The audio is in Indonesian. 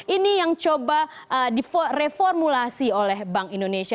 ini yang coba direformulasi oleh bank indonesia